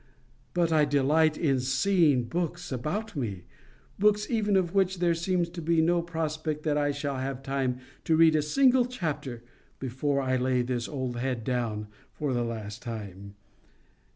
But I delight in seeing books about me, books even of which there seems to be no prospect that I shall have time to read a single chapter before I lay this old head down for the last time.